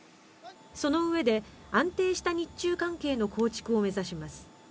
そのうえで、安定した日中関係の構築を目指します。